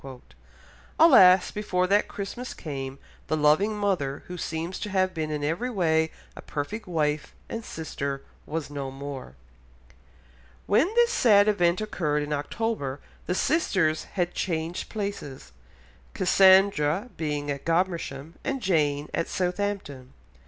Alas, before that Christmas came, the loving mother, who seems to have been in every way a perfect wife and sister, was no more. When this sad event occurred in October the sisters had again changed places, Cassandra being at Godmersham and Jane at Southampton.